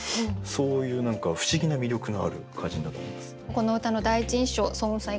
この歌の第一印象双雲さん